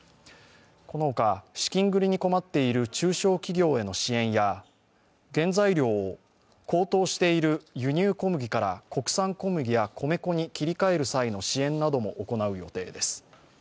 この他、資金繰りに困っている中小企業への支援や原材料を高騰している輸入小麦から国産小麦や米粉に切り替える際の支援なども行う予定です。